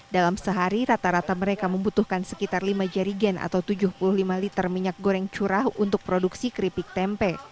dalam sehari rata rata mereka membutuhkan sekitar lima jerigen atau tujuh puluh lima liter minyak goreng curah untuk produksi keripik tempe